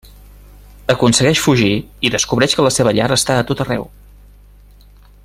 Aconsegueix fugir i descobreix que la seva llar està a tot arreu.